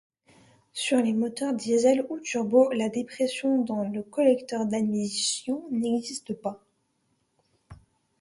Sur les moteurs Diesel ou turbo la dépression dans le collecteur d'admission n'existe pas.